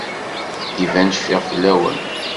Iban cfiɣ fell-awen.